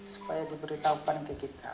supaya diberi taupan ke kita